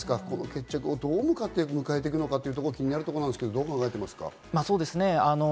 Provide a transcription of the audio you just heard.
決着をどう迎えていくのかっていうところが気になるところですけど、どう考えますか？